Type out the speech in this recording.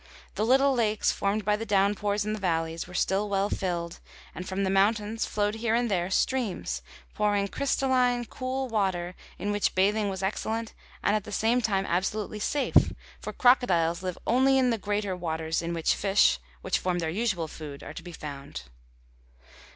The little lakes, formed by the downpours in the valleys, were still well filled, and from the mountains flowed here and there streams, pouring crystalline, cool water in which bathing was excellent and at the same time absolutely safe, for crocodiles live only in the greater waters in which fish, which form their usual food, are to be found.